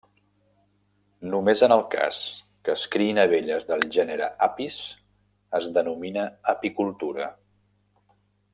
Només en el cas que es criïn abelles del gènere Apis es denomina apicultura.